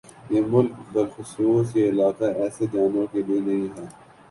یہ ملک بلخصوص یہ علاقہ ایسے جانوروں کے لیے نہیں ہے